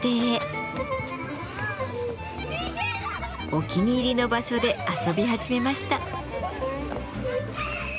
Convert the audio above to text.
お気に入りの場所で遊び始めました。